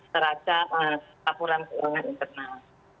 terhadap akuran keuangan internal